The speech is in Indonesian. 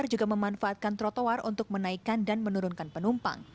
mereka juga memanfaatkan trotoar untuk menaikan dan menurunkan penumpang